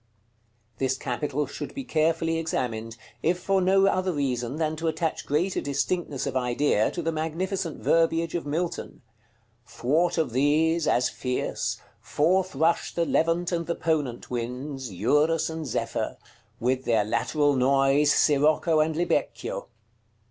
This capital should be carefully examined, if for no other reason than to attach greater distinctness of idea to the magnificent verbiage of Milton: "Thwart of these, as fierce, Forth rush the Levant and the Ponent winds, Eurus, and Zephyr; with their lateral noise, Sirocco and Libecchio."